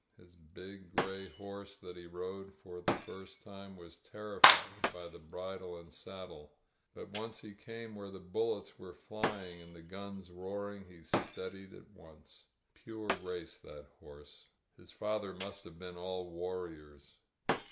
His big gray horse that he rode for the first time was terrified by the bridle and saddle. But once he came where the bullets were fljjlpg and the guns roaring, he steadied at once. Pure facc^ that horse. .•. His fathers must have been all war riors.